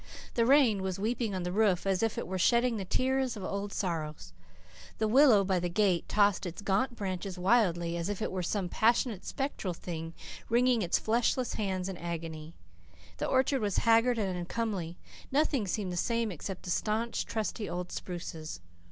The rain was weeping on the roof as if it were shedding the tears of old sorrows; the willow by the gate tossed its gaunt branches wildly, as if it were some passionate, spectral thing, wringing its fleshless hands in agony; the orchard was haggard and uncomely; nothing seemed the same except the staunch, trusty, old spruces.